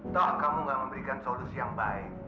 tuh kamu nggak memberikan solusi yang baik